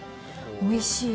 おいしい。